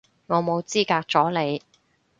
我冇資格阻你